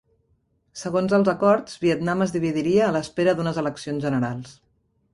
Segons els acords, Vietnam es dividiria a l'espera d'unes eleccions generals.